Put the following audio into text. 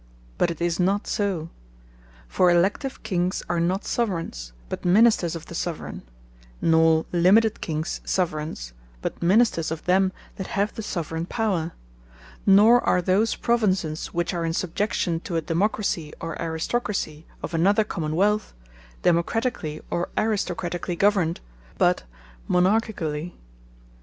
But it is not so. For Elective Kings, are not Soveraignes, but Ministers of the Soveraigne; nor limited Kings Soveraignes, but Ministers of them that have the Soveraigne Power: nor are those Provinces which are in subjection to a Democracie, or Aristocracie of another Common wealth, Democratically, or Aristocratically governed, but Monarchically.